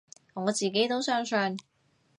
我自己都相信